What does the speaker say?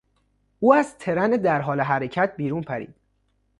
او از ترن در حال حرکت بیرون پرید.